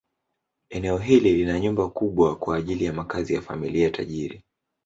Eneo hili lina nyumba kubwa kwa ajili ya makazi ya familia tajiri.